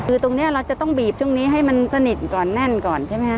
คือตรงนี้เราจะต้องบีบช่วงนี้ให้มันสนิทก่อนแน่นก่อนใช่ไหมครับ